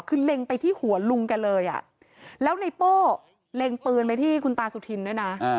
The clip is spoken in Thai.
คือเล็งไปที่หัวลุงแกเลยอ่ะแล้วในโป้เล็งปืนไปที่คุณตาสุธินด้วยนะ